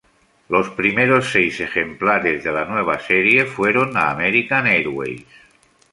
Los primeros seis ejemplares de la nueva serie fueron a American Airways.